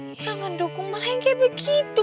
jangan dukung malah yang kayak begitu